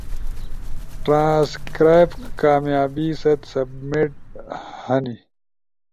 ٹرانسکرائب کامیابی ست سبمیٹ ہن،